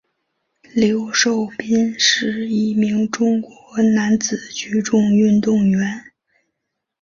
刘寿斌是一名中国男子举重运动员。